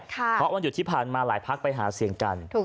เพราะวันหยุดที่ผ่านมาหลายพักไปหาเสียงกัน